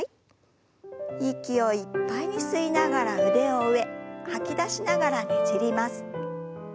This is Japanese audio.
息をいっぱいに吸いながら腕を上吐き出しながらねじります。